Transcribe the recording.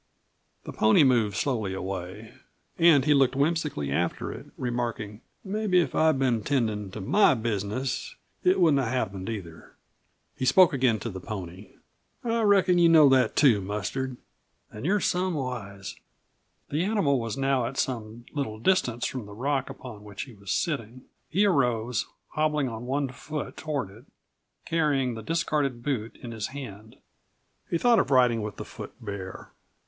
The pony moved slowly away, and he looked whimsically after it, remarking: "Mebbe if I'd been tendin' to my business it wouldn't have happened, either." He spoke again to the pony. "I reckon you know that too, Mustard. You're some wise." The animal was now at some little distance from the rock upon which he was sitting. He arose, hobbling on one foot toward it, carrying the discarded boot in his hand. He thought of riding with the foot bare.